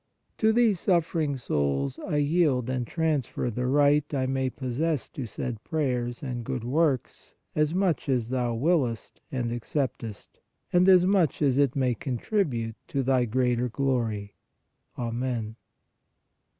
To these THOUGHTS ON PRAYER 147 suffering souls I yield and transfer the right I may possess to said prayers and good works, as much as Thou wiliest and acceptest, and as much as it may contribute to Thy greater glory. Amen.